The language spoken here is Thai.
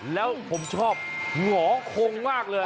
แล้วผมชอบหงอคงมากเลย